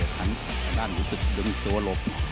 หันด้านรู้สึกดึงตัวหลบ